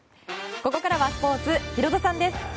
ここからはスポーツヒロドさんです。